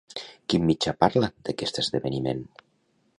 Quin mitjà parla d'aquest esdeveniment?